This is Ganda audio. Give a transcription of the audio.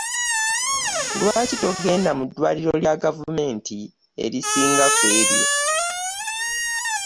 Lwaki togenda mu ddwaliro lya gavumenti erisinga kw'eryo?